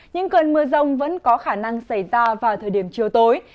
những cơn mưa rông vẫn có khả năng xảy ra vào thời điểm chiều tối